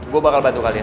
gue bakal bantu kalian